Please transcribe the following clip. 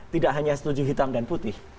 tidak hanya setuju hitam dan putih